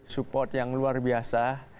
support yang luar biasa